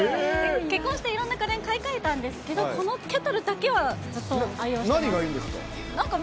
結婚して、いろんな家電買い替えたんですけど、このケトルだけは、何がいいんですか？